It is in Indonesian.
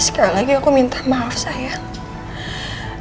sekali lagi aku minta maaf saya